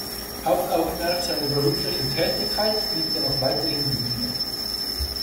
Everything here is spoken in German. Hauptaugenmerk seiner beruflichen Tätigkeit blieb dennoch weiterhin die Bühne.